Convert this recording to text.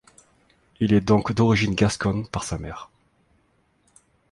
Il est donc d'origine gasconne par sa mère.